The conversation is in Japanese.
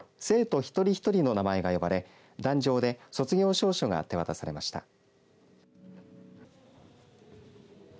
生徒一人一人の名前が呼ばれ壇上で卒業証書が手渡されました。